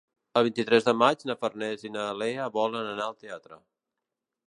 El vint-i-tres de maig na Farners i na Lea volen anar al teatre.